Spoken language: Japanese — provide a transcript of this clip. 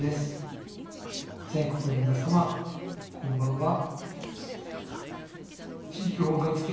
全国の皆様こんばんは。